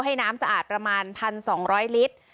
ให้น้ำสะอาดประมาณ๑๒๐๐ลิตร